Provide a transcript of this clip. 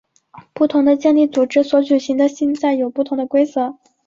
不同的健力组织所举行的竞赛有不同的规则。